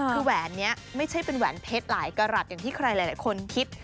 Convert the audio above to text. คือแหวนนี้ไม่ใช่เป็นแหวนเพชรหลายกระหลัดอย่างที่ใครหลายคนคิด